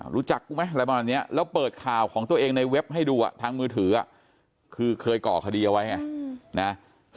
รู้จักเขาไหมแล้วเปิดข่าวของตัวเองในเว็บให้ดูทั้งมือถือคือเคยก่อคดีเอาไว้